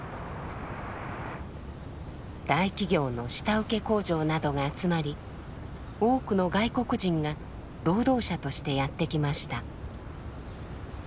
大企業の下請け工場などが集まり多くの外国人が労働者としてやって来ました。